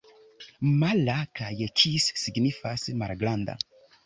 Mala kaj kis signifas: malgranda.